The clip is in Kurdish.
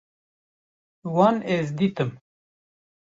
Wan ez dîtim